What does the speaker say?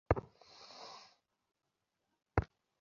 ধন্যবাদ, ডক্টর।